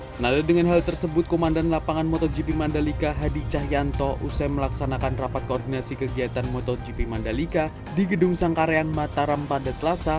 senada dengan hal tersebut komandan lapangan motogp mandalika hadi cahyanto usai melaksanakan rapat koordinasi kegiatan motogp mandalika di gedung sangkarean mataram pada selasa